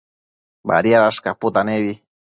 Badiadash caputanebi